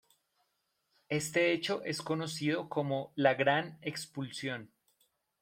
Este hecho es conocido como la Gran Expulsión.